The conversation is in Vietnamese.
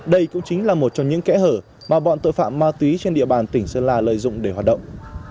đây cũng chính là một trong những kẽ hở mà bọn tội phạm ma túy trên địa bàn tỉnh sơn la lợi dụng để hoạt động